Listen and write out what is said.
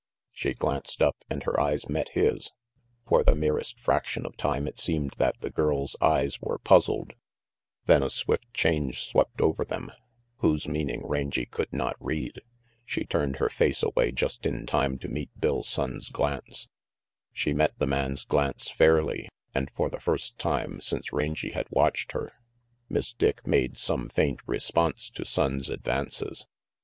She glanced up, and her eyes met his. For the merest fraction of time it seemed that the girl's eyes were puzzled ; then a swift change swept over them, whose meaning Rangy could not read. She turned her face away just in time to meet Bill Sonnes' glance. She met the man's glance fairly, and for the first time since Rangy had watched them, Miss Dick made some faint response to Sonnes' advances.